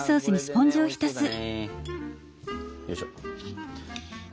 よいしょ。